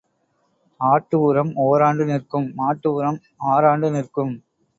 ஆட்டு உரம் ஒராண்டு நிற்கும் மாட்டு உரம் ஆறாண்டு நிற்கும்.